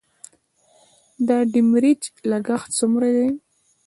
د ډیمریج لګښت څومره دی؟